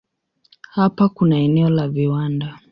Hapa kuna eneo la viwanda.